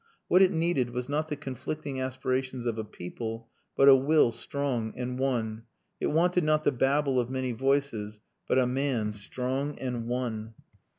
What it needed was not the conflicting aspirations of a people, but a will strong and one: it wanted not the babble of many voices, but a man strong and one!